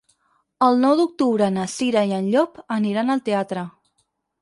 El nou d'octubre na Cira i en Llop aniran al teatre.